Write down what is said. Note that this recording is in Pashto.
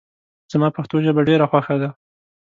زما پښتو ژبه ډېره خوښه ده